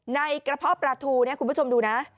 ในกระเพาะปลาทูเนี่ยคุณผู้ชมดูนะ